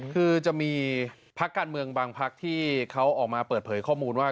คือจะมีพักการเมืองบางพักที่เขาออกมาเปิดเผยข้อมูลว่า